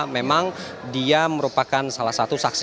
memang dia merupakan salah satu saksi